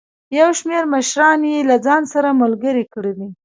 یو شمېر مشران یې له ځان سره ملګري کړي.